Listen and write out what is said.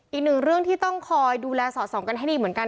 อีกหนึ่งเรื่องที่ต้องคอยดูแลสอดส่องกันให้ดีเหมือนกัน